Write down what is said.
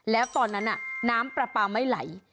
แล้วตอนนั้นน้ำปลาปลาไม่ไหล